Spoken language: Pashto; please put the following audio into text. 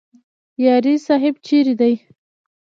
یاري صاحب چیرې دی؟